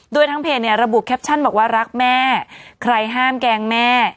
โดยทางเพจเนี่ยระบุแคปชั่นบอกว่ารักแม่ใครห้ามแกล้งแม่